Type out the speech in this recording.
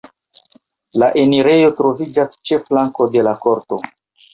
La enirejo troviĝas ĉe flanko de la korto.